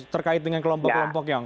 terkait dengan kelompok kelompok yang